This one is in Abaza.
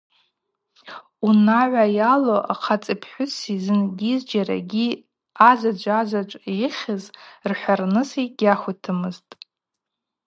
Унагӏва йалу ахъацӏи апхӏвыси зынгьи зджьарагьи азаджв азаджв йыхьыз рхӏварныс йгьахвитмызтӏ.